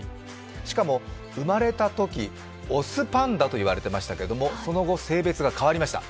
しかも、生まれたとき雄パンダと言われていましたけれども、その後、性別が変わりました。